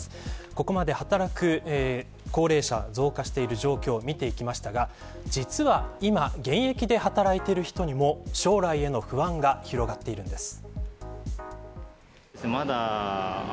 ここまで働く高齢者増加している状況を見てきましたが実は今、現役で働いている人にも将来への不安が広がっているんです。